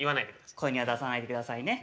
声には出さないでくださいね。